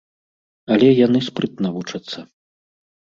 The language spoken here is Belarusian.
Але яны спрытна вучацца.